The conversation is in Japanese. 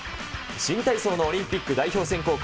新体操のオリンピック代表選考会。